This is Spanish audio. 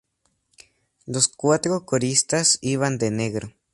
Los cuatro coristas iban de negro.